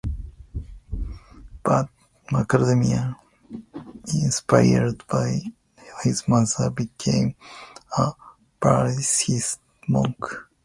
But Mahendra, inspired by his mother, became a Buddhist monk.